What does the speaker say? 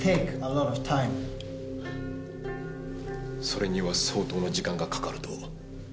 それには相当な時間がかかると。